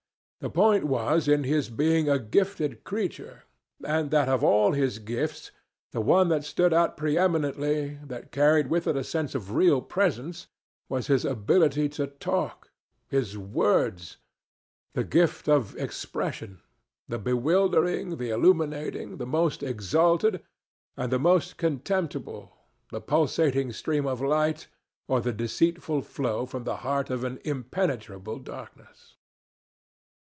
The point was in his being a gifted creature, and that of all his gifts the one that stood out pre eminently, that carried with it a sense of real presence, was his ability to talk, his words the gift of expression, the bewildering, the illuminating, the most exalted and the most contemptible, the pulsating stream of light, or the deceitful flow from the heart of an impenetrable darkness.